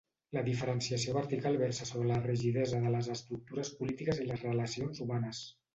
La diferenciació vertical versa sobre la rigidesa de les estructures polítiques i les relacions humanes.